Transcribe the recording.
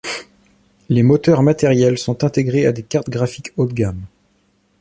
Les moteurs matériels sont intégrés à des cartes graphiques haut de gamme.